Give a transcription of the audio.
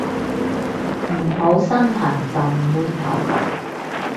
唔好身痕就唔會頭痕